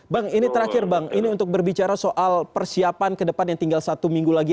bang ini terakhir bang ini untuk berbicara soal persiapan ke depan yang tinggal satu minggu lagi